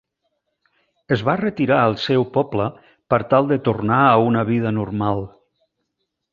Es va retirar al seu poble per tal de tornar a una vida normal.